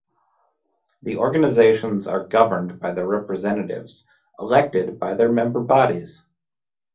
The organisations are governed by representatives elected by their member bodies.